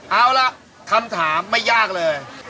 เอาล่ะคำถามไม่ยากเลย